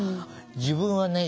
自分はね